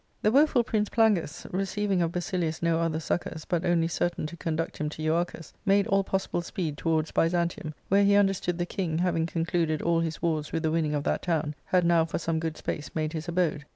The woeful Prince Plangus, receiving of Basilius no other succours but only certain to conduct him to Euarchus, made all possible speed towards Byzantium, where he understood the king, having concluded all his wars with the winning of that town, had now for some good space made his abode.